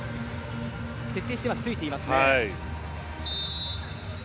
徹底して突いていますね。